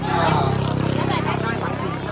อาจารย์สะเทือนครูดีศิลปันติน